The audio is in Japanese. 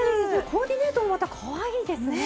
コーディネートもまたかわいいですね。